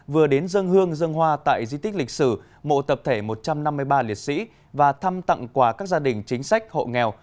vừa đến dân hương dân hoa tại di tích lịch sử mộ tập thể một trăm năm mươi ba liệt sĩ và thăm tặng quà các gia đình chính sách hộ nghèo